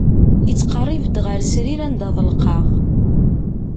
Ittqerrib-d ɣer srir anda ḍelqeɣ.